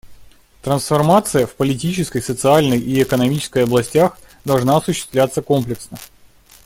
Трансформация в политической, социальной и экономической областях должна осуществляться комплексно.